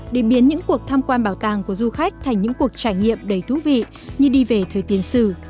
để biến những cuộc tham quan bảo tàng của du khách thành những cuộc trải nghiệm đầy thú vị như đi về thời tiền sử